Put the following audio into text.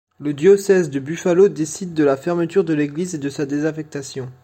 Le diocèse de Buffalo décide de la fermeture de l'église et de sa désaffectation.